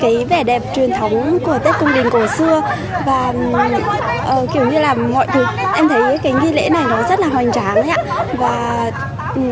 của tết cung đình cổ xưa và kiểu như là mọi thứ em thấy cái nghị lễ này nó rất là hoành tráng